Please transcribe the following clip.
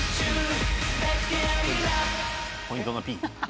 ポイントのＰ。